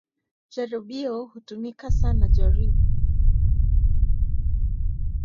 "Jaribio, hutumika sana jaribu"